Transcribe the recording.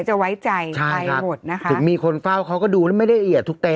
จะไว้ใจใช่ครับใครหมดนะคะถึงมีคนเฝ้าเขาก็ดูแล้วไม่ได้เอียดทุกเต็ม